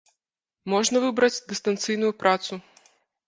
Можна выбраць дыстанцыйную працу.